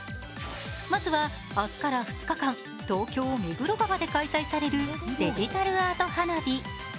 まずは、明日から２日間、東京・目黒川で開催されるデジタルアート花火。